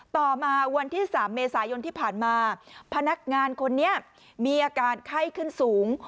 ต่อมาวันที่๓เมษายนที่ผ่านมาพนักงานคนนี้มีอาการไข้ขึ้นสูง